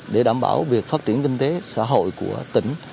để đảm bảo việc phát triển kinh tế xã hội của tỉnh